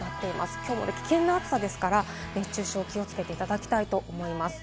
きょうも危険な暑さですから、熱中症に気をつけていただきたいと思います。